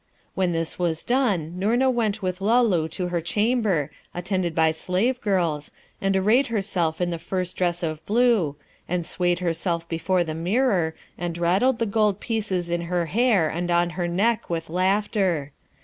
When this was done, Noorna went with Luloo to her chamber, attended by slave girls, and arrayed herself in the first dress of blue, and swayed herself before the mirror, and rattled the gold pieces in her hair and on her neck with laughter.